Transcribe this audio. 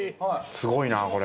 すごいなこれ。